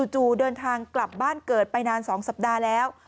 จู่เดินทางกลับบ้านเกิดไปนาน๒สัปดาห์แล้ว